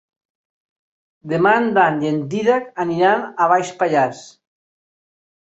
Demà en Dan i en Dídac aniran a Baix Pallars.